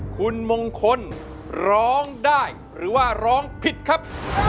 คุณมงคลร้องได้หรือว่าร้องผิดครับ